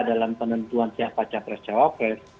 dalam penentuan siapacat rescawa pres